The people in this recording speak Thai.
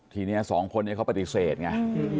ทีนี้สองคนนี้เขาปฏิเสธไง